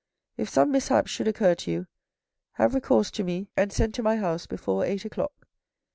If some mishap should occur to you, have recourse to me and send to my house before eight o'clock.